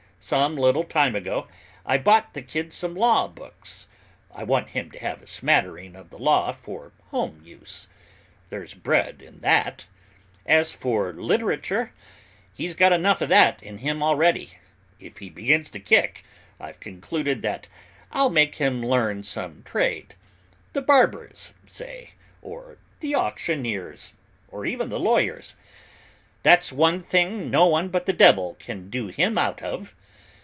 Some little time ago, I bought the kid some law books; I want him to have a smattering of the law for home use. There's bread in that! As for literature, he's got enough of that in him already; if he begins to kick, I've concluded that I'll make him learn some trade; the barber's, say, or the auctioneer's, or even the lawyer's. That's one thing no one but the devil can do him out of!